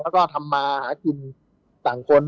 แล้วก็ทำมาหากินต่างคน